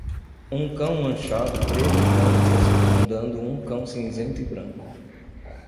Um cão manchado preto e branco está circundando um cão cinzento e branco.